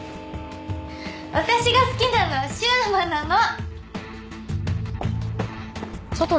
私が好きなのは柊磨なの。